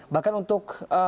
bahkan untuk eee